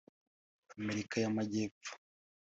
Amerika y’Amajyepfo